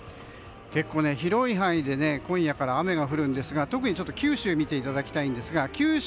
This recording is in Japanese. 結構、広い範囲で今夜から雨が降るんですが特に九州を見ていただきたいんですが。